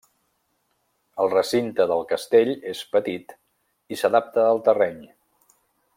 El recinte del castell és petit i s'adapta al terreny.